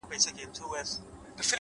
صادق چلند ریښتینې ملګرتیا زېږوي,